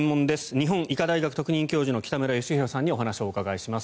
日本医科大学特任教授の北村義浩さんにお話をお伺いします。